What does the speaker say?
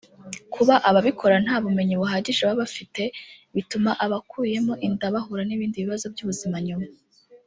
Kuba ababikora nta bumenyi buhagije baba bafite bituma abakuyemo inda bahura n’ibindi bibazo by’ubuzima nyuma